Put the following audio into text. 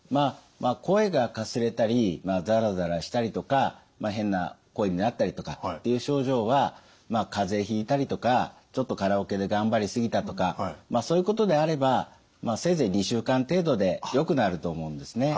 声がかすれたりザラザラしたりとか変な声になったりとかっていう症状はかぜひいたりとかちょっとカラオケで頑張り過ぎたとかまあそういうことであればせいぜい２週間程度でよくなると思うんですね。